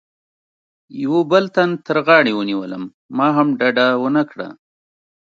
یوه بل تن تر غاړې ونیولم، ما هم ډډه و نه کړه.